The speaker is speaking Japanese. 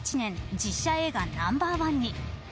実写映画ナンバーワンに。